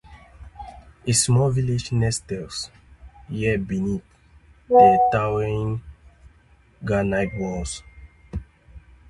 A small village nestles here beneath the towering granite walls.